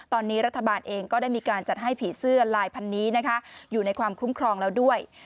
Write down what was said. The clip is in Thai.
ตอนนี้รัฐบาลเองก็ได้มีการจัดให้ผีเสื้อลายพันนี้นะคะอยู่ในความคุ้มครองแล้วด้วย